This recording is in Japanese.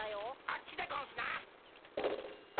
あっちでゴンスな！